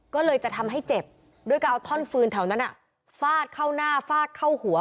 ก็เลยทำให้เจ็บได้หลัวว่าเอาธอาร์มฟื้นแถวนั้นฟาดเข้าหน้าฟาดเข้าหัว